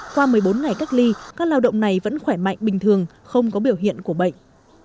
qua một mươi bốn ngày cách ly các lao động này vẫn khỏe mạnh bình thường không có biểu hiện của bệnh